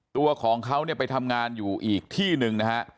ตัวของเขาเนี่ยไปทำงานอยู่อีกที่หนึ่งนะฮะ